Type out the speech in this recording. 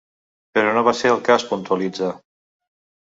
“Però no va ser el cas”, puntualitza.